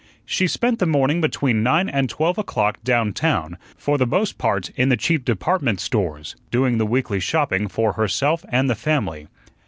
She spent the morning between nine and twelve o'clock down town, for the most part in the cheap department stores, doing the weekly shopping for herself and the family.